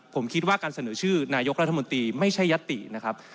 ผมคิดว่าการเสนอชื่อนายกรัฐมนตรีไม่ใช่ยัตตินะครับ